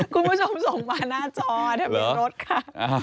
คุณผู้ชมส่งมาหน้าจอทะเบียนรถค่ะ